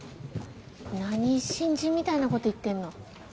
何新人みたいなこと言ってんの？